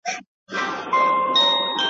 چي یې وکتل منګول ته خامتما سو `